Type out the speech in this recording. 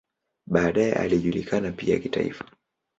Baadaye alijulikana pia kitaifa.